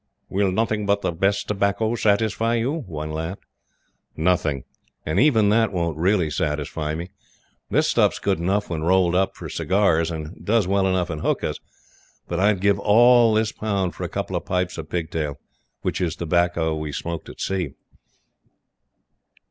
"Will nothing but the best tobacco satisfy you?" one laughed. "Nothing; and even that won't really satisfy me. This stuff is good enough, when rolled up, for cigars, and it does well enough in hookahs; but I would give all this pound for a couple of pipes of pigtail, which is the tobacco we smoked at sea."